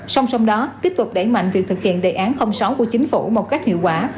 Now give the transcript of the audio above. song song đó tiếp tục đẩy mạnh việc thực hiện đề án sáu của chính phủ một cách hiệu quả